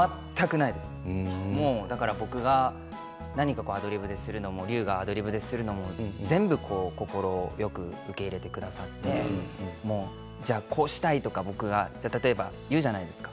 なんか僕がアドリブでするのも隆がアドリブでするのも全部快く受け入れてくださってこうしたいとか僕が例えば言うじゃないですか。